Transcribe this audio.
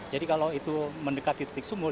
jadi kalau mendekati titik sumur